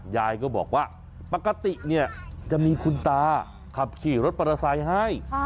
ยายก็บอกว่าปกติจะมีคุณตาขับขี่รถประสัยให้